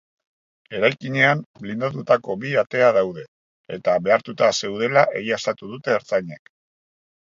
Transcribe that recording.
Eraikinean blindatutako bi atea daude eta behartuta zeudela egiaztatu dute ertzainek.